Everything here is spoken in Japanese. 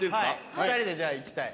２人でじゃあ行きたい。